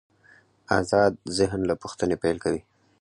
آزاد ذهن له پوښتنې پیل کوي.